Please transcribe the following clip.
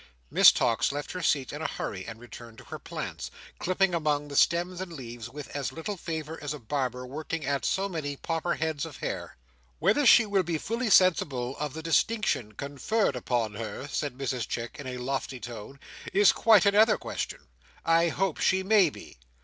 Miss Tox left her seat in a hurry, and returned to her plants; clipping among the stems and leaves, with as little favour as a barber working at so many pauper heads of hair. "Whether she will be fully sensible of the distinction conferred upon her," said Mrs Chick, in a lofty tone, "is quite another question. I hope she may be.